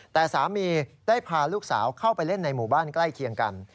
แต่สามีได้พาลูกสาวเข้าไปเล่นในหมู่บ้านใกล้เคียงกัน